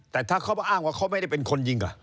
แต่ถ้าเขามาอ้างว่าเขาไม่ได้เป็นคนยิง